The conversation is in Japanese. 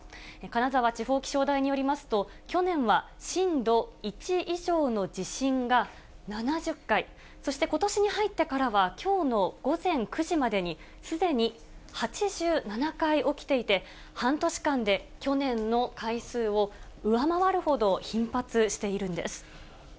金沢地方気象台によりますと、去年は震度１以上の地震が７０回、そしてことしに入ってからは、きょうの午前９時までに、すでに８７回起きていて、半年間で去年の回数を上回るほど頻発しているんです。